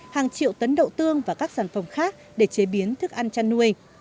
hàng triệu tấn đậu tương và các sản phẩm khác để chế biến thức ăn chăn nuôi